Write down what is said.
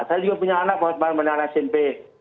saya juga punya anak pak watmar yang anak smp